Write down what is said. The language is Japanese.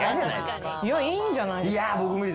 いやいいんじゃないですか？